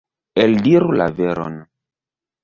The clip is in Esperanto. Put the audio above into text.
Eldiru la veron.